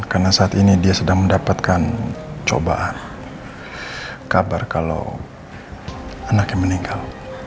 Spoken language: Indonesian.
karena saat ini dia sedang mendapatkan cobaan kabar kalau anaknya meninggal